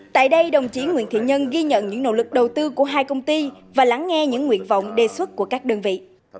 tại đây đồng chí nguyễn thị nhân ghi nhận những nỗ lực đầu tư của hai công ty và lắng nghe những nguyện vọng đề xuất của các đơn vị